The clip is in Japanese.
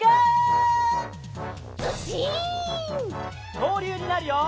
きょうりゅうになるよ！